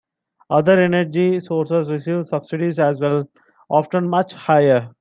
Other energy sources receive subsidies as well, often much higher.